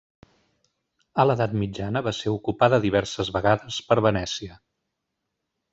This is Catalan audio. A l'edat mitjana va ser ocupada diverses vegades per Venècia.